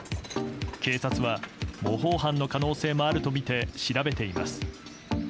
警察は模倣犯の可能性もあるとみて調べています。